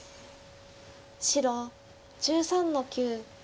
白１３の九。